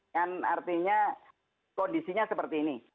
kan artinya kondisinya seperti ini